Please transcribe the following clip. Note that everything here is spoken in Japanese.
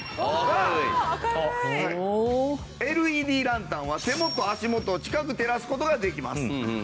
ＬＥＤランタンは手元足元を近く照らす事ができます。